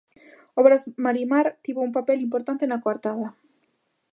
Obras Marimar tivo un papel importante na coartada.